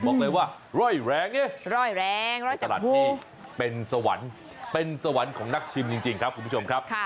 บอกเลยว่าร่อยแหลงนี่ร่อยแหลงร่อยจักพูมันเป็นสวรรค์ของนักชิมจริงครับคุณผู้ชมครับค่ะ